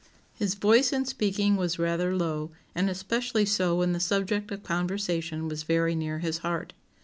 His voice in speaking was rather low, and especially so when the subject of conversation was very near his heart.